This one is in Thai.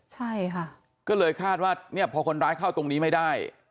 ใช่ค่ะก็เลยคาดว่าเนี่ยพอคนร้ายเข้าตรงนี้ไม่ได้